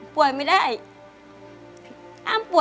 ที่มีลูกเข้าคือ